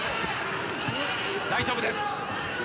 大丈夫です。